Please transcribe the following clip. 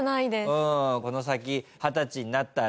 この先二十歳になったら。